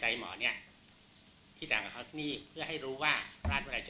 ไอ้หมอเนี่ย